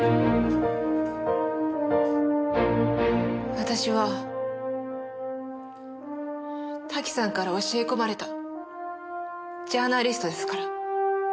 私は瀧さんから教え込まれたジャーナリストですから。